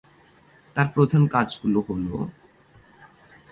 তার প্রধান কাজগুলো হল